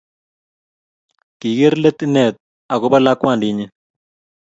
Kiker let inet akopa lakwandit nyi